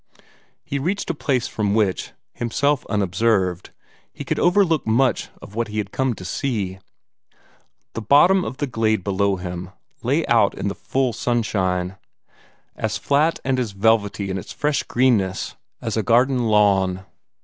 He reached a place from which, himself unobserved, he could overlook much of what he had come to see. The bottom of the glade below him lay out in the full sunshine, as flat and as velvety in its fresh greenness as a garden lawn.